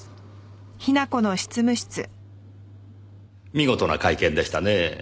見事な会見でしたね。